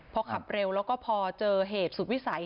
พอขับเร็วแล้วก็พอเจอเหตุสุดวิสัย